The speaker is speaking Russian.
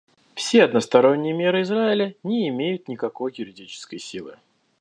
Все односторонние меры Израиля не имеют никакой юридической силы.